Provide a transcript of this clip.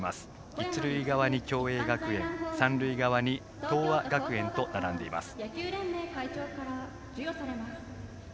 一塁側に共栄学園三塁側に東亜学園と並んでいます。